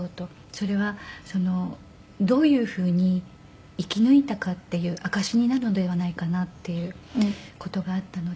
それはどういうふうに生き抜いたかっていう証しになるのではないかなっていう事があったので。